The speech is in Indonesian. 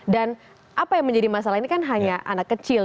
dan apa yang menjadi masalah ini kan hanya anak kecil